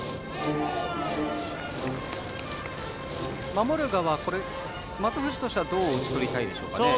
守る側、松藤としてはどう打ち取りたいでしょうか。